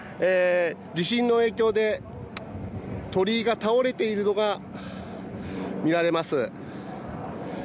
地震の影響で鳥居が倒れているのが見られます。